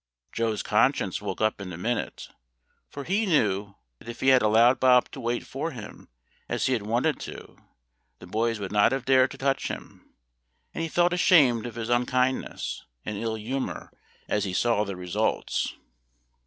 Joe's conscience woke up in a minute, for he knew that if he had allowed Bob to wait for him as he had wanted to do, the boys would not have dared to touch him, and he felt ashamed of his unkindness and ill humor as he saw the results.